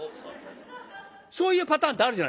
そういうパターンってあるじゃないですか。